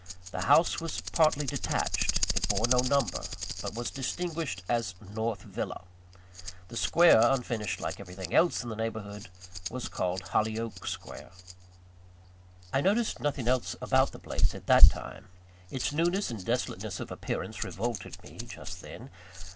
The house was partly detached. It bore no number; but was distinguished as North Villa. The square unfinished like everything else in the neighbourhood was called Hollyoake Square. I noticed nothing else about the place at that time. Its newness and desolateness of appearance revolted me, just then.